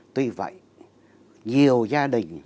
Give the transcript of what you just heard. tuy vậy nhiều gia đình